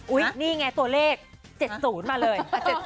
นี่ไงตัวเลข๗๐มาเลย